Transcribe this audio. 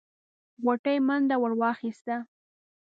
غوټۍ منډه ور واخيسته.